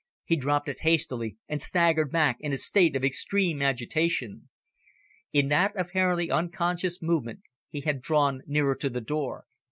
He dropped it hastily, and staggered back in a state of extreme agitation. In that apparently unconscious movement he had drawn nearer to the door.